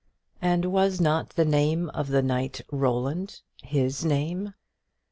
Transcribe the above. And was not the name of the knight Roland his name?